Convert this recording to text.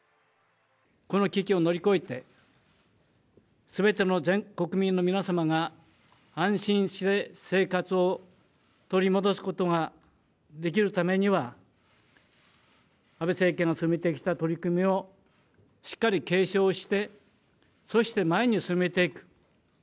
この危機を乗り越えて、すべての全国民の皆様が、安心して生活を取り戻すことができるためには、安倍政権が進めてきた取り組みをしっかり継承して、そして前に進めていく。